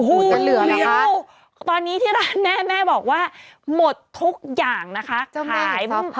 อูหูวตอนนี้ที่ร้านแม่บอกว่าหมดทุกอย่างนะคะ